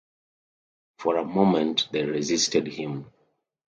For a moment they resisted him.